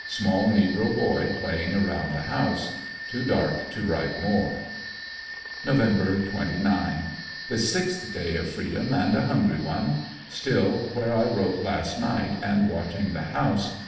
Small negro boy playing around the house. Too dark to write more Nov 29. — The sixth day of freedom, and a hungry one. Still where I wrote last night, and watching the house.